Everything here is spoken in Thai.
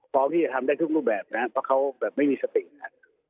พร้อมที่จะทำได้ทุกรูปแบบนะครับเพราะเขาแบบไม่มีสตินะครับ